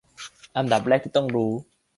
อันดับแรกที่ต้องรู้